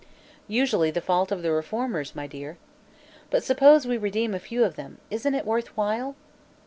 "Usually the fault of the reformers, my dear. But suppose we redeem a few of them, isn't it worth while?